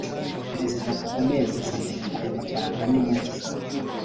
Perezida Kagame yagize ati “Aya mafaranga ni make